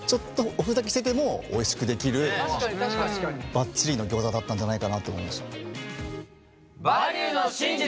バッチリのギョーザだったんじゃないかなと思いました。